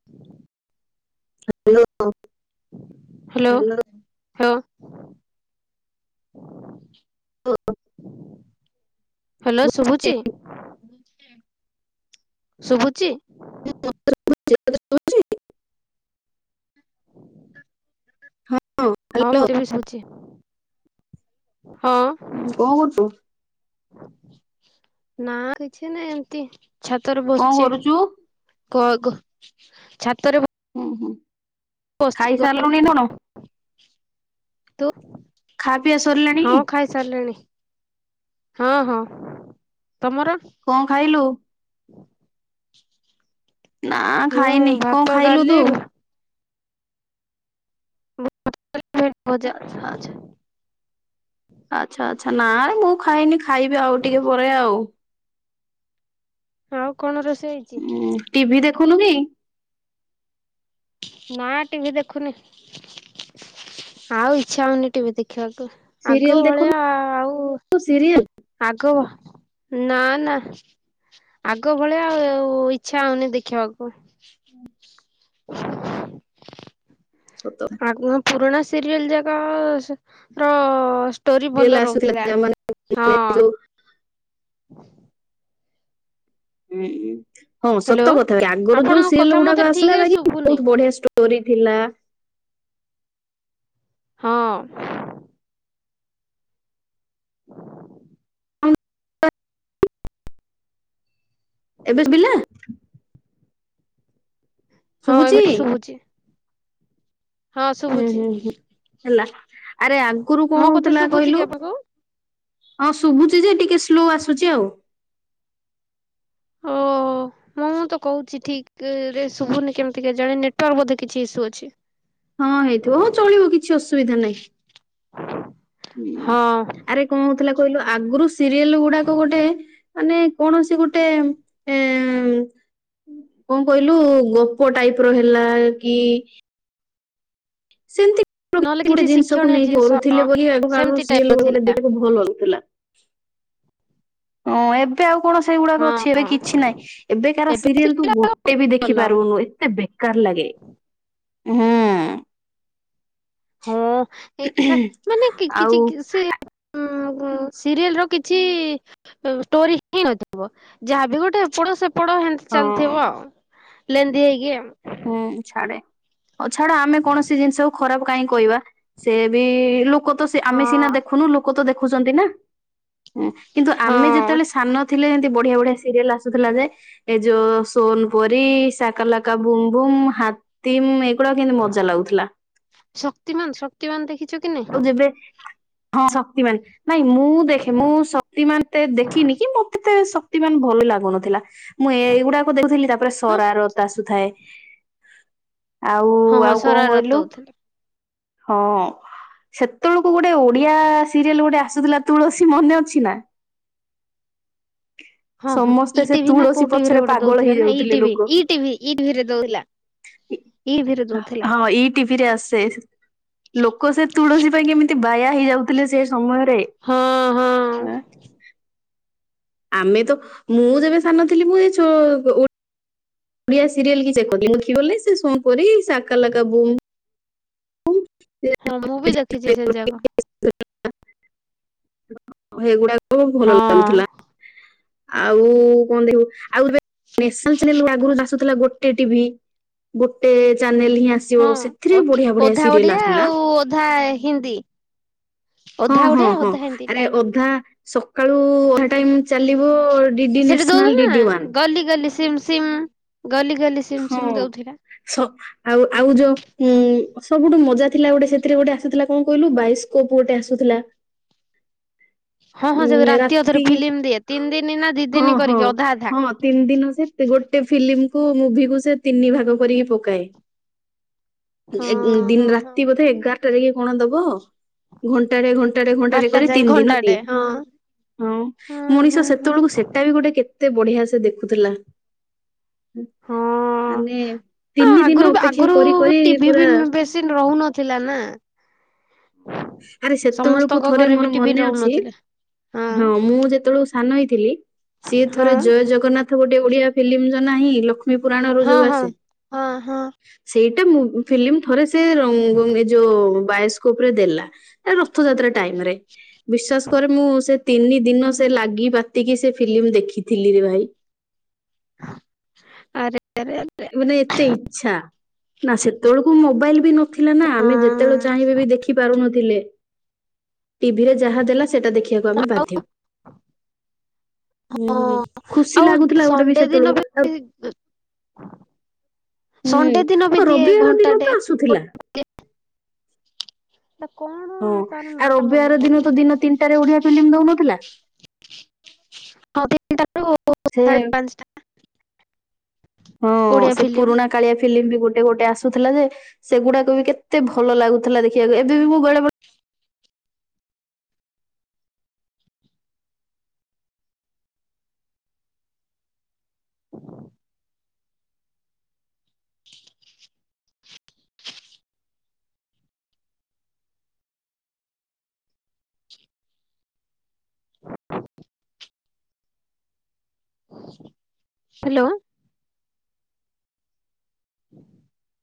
[inaudible] Hello. Hello [unintelligible] [unintelligible] hello ଶୁଭୁଛି? Hello ଶୁଭୁଛି? [unintelligible] ହଁ ମତେ ଏବେ ଶୁଭୁଛି ହଁ। ହୁଁ କଣ କରୁଛୁ? ନା କିଛି ନାଇଁ ଏମତି ଛାତରେ କଣ ବସିଛି। କରୁଛୁ କଘ ଛାତରେ ବ ହୁଁ ହୁଁ। ଖାଇସାରିଲୁଣି ନା କଣ? [unintelligible] ଖାଆ ପିଆ ସରିଲାଣି? ସାରିଲାଣି ହଁ ହଁ ତମର? କଣ ଖାଇଲୁ? ନା ମୁଁ ଖାଇନି କଣ ଭାତ ଖାଇଲୁ ଡାଲି ତୁ? ଭେଣ୍ଡି ଭଜା ଆଚ୍ଛା ଆଚ୍ଛା ଆଚ୍ଛା ଆଚ୍ଛା ନା ମୁଁ ଖାଇନି ଖାଇବି ଆଉ ଟିକେ ପରେ ଆଉ। ଆଉ କଣ ରୋଷେଇ ହେଇଛି? ଟିଭିି ଦେଖୁନୁ କି? ନା ଟିଭି ଦେଖୁନି ଆଉ ଇଚ୍ଛା ହଉନି ଟିଭି ଦେଖିବାକୁ। ସିରିଏଲ ଆଗ ଦେଖୁନୁ ଭଳିଆ ଆଉ ସିରିଏଲ ଆଗ ନା ନା। ଆଗ ଭଳିଆ ଆଉ ଇଚ୍ଛା ହଉନି ଦେଖିବାକୁ। [unintelligible] [unintelligible] ସତରେ ଆଗୁଆଁ ପୁରୁଣା ସିରିଏଲ ଯାକ ର ଟୋରି ସିରିଏଲ ଭଲ ରହୁଥିଲା ଆସୁଥିଲା ମାନେ ହଁ। ଯୋଉ [unintelligible] ଉଁ ହଁ ହ୍ୟାଲୋ ସତ କଥା ଭ ଆଗରୁ ଯୋଉ ଆପଣଙ୍କ ସିରିଏଲ କଥା ଗୁଡା ମତେ ଆସିଲା ଠିକରେ ବାକି ଶୁଭୁନି ବହୁତ ବଢିଆ [unintelligible] ଟୋରି ଥିଲା। ହଁ। ଏବେ ସୁବିଲା। ହଁ ଶୁଭୁଛି ଏବେଠୁ ଶୁଭୁଛି। ହଁ ହୁଁ ଶୁଭୁଛି ହୁଁ ହୁଁ ହେଲା ଆରେ ଆଗରୁ କ ମୋ କଥା ହଉଥିଲା ଶୁଭୁଛି କହିଲୁ? କି ଆପଣଙ୍କୁ ହଁ ଶୁଭୁଛି ଯେ ଟିକେ ସ୍ଲୋ ଆସୁଛି ଆଉ। ଓହୋ ମୁଁ ତ କହୁଛି ଠିକ ରେ ଶୁଭୁନି କେମିତି କେଜାଣି ନେଟୱାର୍କ ବୋଧେ କିଛି ଇସୁ ଅଛି। ହଁ ହେଇଥିବ ହଁ ଚଳିବ କିଛି ଅସୁବିଧା ନାହିଁ ହଁ ଆରେ କ ହଉଥିଲା କହିଲୁ ଆଗରୁ ସିରିଏଲ ଗୁଡାକ ଗୋଟେ ମାନେ କୌଣସି ଗୋଟେ ଏ କ କହିଲୁ ଗପ ଟାଇପ ର ହେଲା କି ସେମିତି ନହେଲେ ଗୋଟେ କିଛି ଜିନିଷକୁ ଶିକ୍ଷଣୀୟ ନେଇକି କରୁଥିଲେ ଜିନିଷ ବୋଲି ସେମିତି ଟାଇପ ର ଥିଲା ଦେଖିବାକୁ ଭଲ ଲାଗୁଥିଲା। [unintelligible] ହଁ ଏବେ ଆଉ କଣ ସେଇଗୁଡାକ ଅଛି ଏବେ ହଁ କିଛି ନାହିଁ। ଏବେକାର ସିରିଏଲ ତୁ ଏବେ ଗୋଟେ ବି ଭଲ ଦେଖିପାରିବୁନୁ ଏତେ ବେ କାର ଲଗେ ହୁଁ। ହଁ ଏକା ମାନେ ଆଉ କିଛି ସେ ଉଁ ହୁଁ ସିରିଏଲ ର କିଛି ଷ୍ଟୋରି ହି ନଥିବ ଯାହାବି ଗୋଟେ ଏପଟ ସେପ ପଡ଼ ଘା ହଁ ଚାଲିଥିବ ଆଉ ଲେନ୍ଦି ହେଇକି ଆଉ। ହୁଁ ଛାଡେ ଆଉ ଛାଡ ଆମେ କୌଣସି ଜିନିଷକୁ ଖରାପ କାହିଁ କହିବା? ସେ ବି ଲୁକ ତ ସେ ଆମେ ହଁ। ସିନା ଦେଖୁନୁ ଲୋକ ତ ଦେଖୁଛନ୍ତି ନା? ହୁଁ କିନ୍ତୁ ଆମେ ହଁ ଯେତେବେଳେ ସାନ ଥିଲେ ଏମତି ବଢିଆ ବଢିଆ ସିରିଏଲ ଆସୁଥିଲା ଯେ ଏ ଯୋଉ ସୋନପରି, ଶାକାଲାକା ବୁମବୁମ, ହାତୀମ ଏଇଗୁଡାକ କେତେ ମଜା ଲାଗୁଥିଲା। ଶକ୍ତିମାନ ଶକ୍ତିମାନ ଦେଖିଛ କି ନାଇଁ? ଆଉ ଯେବେ ହଁ ଶକ୍ତିମାନ। ନାଇଁ ମୁଁ ଦେଖ୍ ମୁଁ ଶକ୍ତିମାନ ଦେଖିନି କି ମତେ ତ ଶକ୍ତି ମାନ ଭଲ ଲାଗୁନଥିଲା। ମୁଁ ଏଇଗୁଡାକୁ ଦେଖୁଥିଲି ତାପରେ ହଁ ସର ରତା ଆସୁଥାଏ। ଆଉ ହଁ ହଁ ଆଉ କ ଶରାରତ କହିଲୁ ଦଉଥିଲେ। ହଁ। ସେତେବେଳକୁ ଗୋଟେ ଓଡିଆ ସିରିଏଲ ଗୋଟେ ଆସୁଥିଲା ତୁଳସୀ ମନେ ଅଛି ନା? ହଁ ହଁ ଇ ସମସ୍ତେ ସେ ଟିଭି ନା କୋଉ ତୁଳସୀ ଟିଭି ରେ ପଛରେ ଗୋଟେ ପାଗଳ ଦଉଥିଲା ନା ଇ ହେଇଯାଉଥିଲେ ଟିଭି ଲୋକ। ଇ ଟିଭି ଇ ଟିଭି ରେ ଦଉଥିଲା। ଇ ଟିଭି ରେ ଦଉଥିଲା ହଁ ଇ ଟିଭିରେ ଆସେ ସେ ଲୋକ ସେ ତୁଳସୀ ପାଇଁ କେମିତି ବାୟା ହେଇଯାଉଥିଲେ ସେ ସମୟରେ। ହଁ ହଁ ଆମେ ତ ମୁଁ ଯେବେ ସାନ ଥିଲି ମୁଁ ଏ ଯୁ ଓ ଓଡିଆ ସିରିଏଲ ଯେପରିକ [unintelligible] ବଲେ ସୋନପରି ସାକାଲାକା ବୁମ ଚ ହଁ ମୁଁ ବି ଦେଖିଛି ଏତଲ ସେ ଭ। ଯାକ। [unintelligible] ହେଗୁଡାକ ଭଲ ହଁ ଲାଗୁଥିଲା। ଆଉ କଣ ଦେଖିବୁ ଆଉ [unintelligible] ଏନେଲ ଆଗରୁ ଆସୁ ଥିଲା ଗୋଟେ ଟିଭି ଗୋଟେ ଚାନେଲ ହି ଆସିବ ସେଥିରେ ହଁ ବି ବଢିଆ ବଢିଆ ଅଧା ଓଡିଆ କ୍ଲିସ ଥିଲା ଆଉ ଅଧା ହିନ୍ଦୀ। ହଁ ଅଧା ହଁ ଓଡ଼ିଆ ହଁ ଅଧା ହିନ୍ଦୀ ଆରେ ଟାଇମ ଓ ଦା। ସକାଳୁ ଅଧା ଟାଇମ ଚାଲିବ ଡିଡି ସେଠି ନ୍ୟାସନାଲ ଦଉଥିଲା ନା ଡିଡି ୱାନ। ଗଲି ଗଲି ସିମ୍ ସିମ୍ ଗଲି ଗଲିସି ହଁ ସ ଆଉ ଆଉ ଯୋ ଉଁ ସବୁଠୁ ମଜା ଥିଲା ଗୋଟେ ସେଥିରେ ଗୋଟେ ଆସୁଥିଲା କଣ କହିଲୁ ବାଇସ୍କୋପ ଗୋଟେ ଆସୁଥିଲା। ହଁ ହଁ ସେ ଉଁ ରାତି ଅଧରେ ରାତିକି ଫିଲ୍ମ ଦିଏ ତିନି ଦିନ ନା ଦି ହଁ ଦିନ ହଁ କରିକି ଅଧା ଅଧା ହଁ। ତିନି ଦିନ ସେ ଗୋଟେ ଫିଲ୍ମକୁ ମୁଭିକୁ ସେ ତିନି ଭାଗ କରିକି ପକାଏ। ହଁ ଦିନ ହଁ ହଁ। ରାତି ବୋଧେ ଏଗାରଟାରେ କି କଣ ଦବ। ଘଣ୍ଟାଟେ ଘଣ୍ଟାଟେ ଘଣ୍ଟାଟେ ବାରଟା କରି ଯାଏ ତିନି ଦିନ ପିଏ। ଘଣ୍ଟାଟେ ହଁ ହଁ ହଁ ମଣିଷ ହଁ ହଁ। ସେତେବେଳକୁ ସେଟା ବି ଗୋଟେ କେତେ ବଢ଼ିଆ ସେ ଦେଖୁଥିଲା। ମାନେ ହଁ ତିନି ଦିନ ଆଗରୁ ଅପେକ୍ଷା ଆଗରୁ କରି କରି ଟିଭି ପୁରା ବି ବେଶ ରହୁନଥିଲା ନା। ଆରେ ସେତେବେଳକୁ ସମସ୍ତଙ୍କ ଥରେ ଘରେ ବି ମୋର ଟିଭି ମନେ ଅଛି। ରହୁନଥିଲା ହଁ ମୁଁ ଯେତେବେଳୁ ସାନ ହେଇଥିଲି ସିଏ ହଁ ଥରେ ଜୟ ଜଗନ୍ନାଥ ଗୋଟେ ଓଡ଼ିଆ ଫିଲ୍ମ ଯ ନାହିଁ ଲ ଲଷ୍ମୀ ପୁରାଣ ହଁ ହ ହଁ ହଁ। ସେଇଟେ ମୁ ଫିଲ୍ମ ଥରେ ସେ ଏ ଯଉ ବାୟସ୍ ରେ ଦେଲା ରଥଯାତ୍ରା ଟାଇମ୍ ରେ। ବିଶ୍ଵାସ କରେ ମୁଁ ସେ ତିନି ଦିନ ସେ ଲାଗି ବାତିକି ସେ ଫିଲ୍ମ ଦେଖିଥିଲି ରେ ଭାଇ। ଆରେରେ [inaudible] କହିଲି ଏତେ ଇଚ୍ଛା। ନା ସେତେବେଳକୁ ମୋବାଇଲ୍ ବି ନଥିଲା ନା ଆମେ ଯେତେବେଳେ ହଁ ଚାହିଁବେ ବି ଦେଖି ପାରୁନଥିଲେ। ଟିଭିରେ ଯାହା ଦେଲା ସେଟା ଦେଖିବାକୁ ଆମେ ବାଧ୍ୟ। ଆଉ ଖୁସି ଆଉ ଲାଗୁଥିଲା ଗୋଟେ ବି ସଣ୍ଡେ ଦିନ ବି ସେତେବେଳକୁ ହୁଁ ସଣ୍ଡେ ଦିନ ବି ଆଉ ଦିଏ ରବିବାର ଦିନ ଘଣ୍ଟାଟେ। ତ ଆସୁଥିଲା। ତ କଣ? ହଁ ତାର ଆଉ ନାଁ ଟା ମନେ ରବିବାର ଦିନ ପଡୁନି ତ ଦିନ ତିନିଟାରେ ଓଡ଼ିଆ ଫିଲ୍ମ ଦଉନଥିଲା। ତାପରେ [inaudible] ସେ ହଁ ଓଡିଆ ସେ ଫିଲ୍ମ ପୁରୁଣା କାଳିଆ ଫିଲ୍ମ ବି ଗୋଟେ ଗୋଟେ ଆସୁଥିଲା ଯେ ସେଗୁଡ଼ାକ ବି କେତେ ଭଲ ଲାଗୁଥିଲା ଦେଖିବାକୁ ଏବେ ବି ମୁଁ ବେଳେ ବେ ହ୍ୟାଲୋ। ହୁଁ [inaudible]